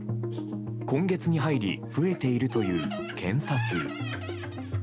今月に入り増えているという検査数。